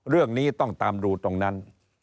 เรื่องนี้ต้องตามดูตรงนั้น